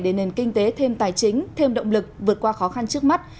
để nền kinh tế thêm tài chính thêm động lực vượt qua khó khăn trước mắt